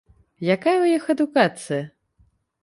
Якая ў іх адукацыя?